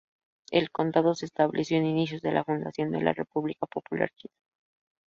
El condado se estableció en inicios de la fundación de la República Popular China.